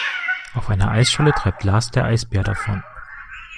Auf einer Eisscholle treibt Lars der Eisbär davon.